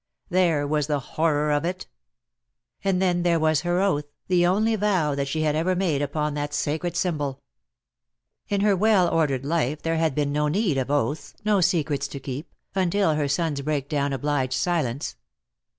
There was the horror of it. And then there was her oath, the only vow that she had ever made upon that sacred symbol. In her well ordered life there had been no need of oaths, no secrets to keep, until her son's break down obliged silence.